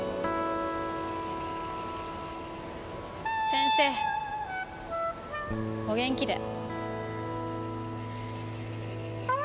先生お元気で。